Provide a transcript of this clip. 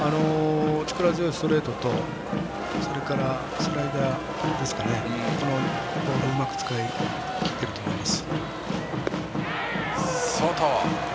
力強いストレートとそれからスライダーこのボールをうまく使い切っていると思います。